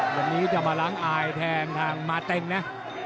วันนี้จะมาล้างอายแทนทางมาเต็งนะ